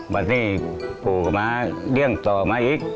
วันนี้ปู่ก็มาเรื่องต่อมาอีก